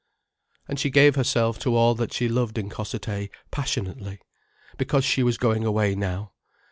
And she gave herself to all that she loved in Cossethay, passionately, because she was going away now.